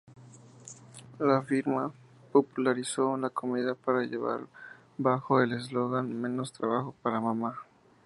La firma popularizó la comida para llevar bajo el eslogan "menos trabajo para mamá".